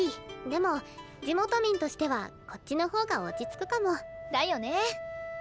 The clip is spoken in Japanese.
でも地元民としてはこっちの方が落ち着くかも。だよねえ。